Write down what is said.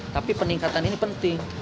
tapi peningkatan ini penting